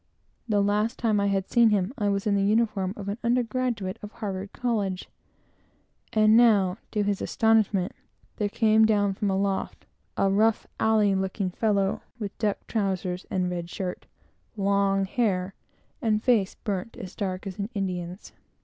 The last time I had seen him, I was in the uniform of an undergraduate of Harvard College, and now, to his astonishment, there came down from aloft a "rough alley" looking fellow, with duck trowsers and red shirt, long hair, and face burnt as black as an Indian's.